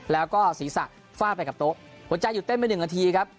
แล้วก็ศีรษะฟาดไปกับโต๊ะหัวใจหยุดเต้นไป๑นาทีครับ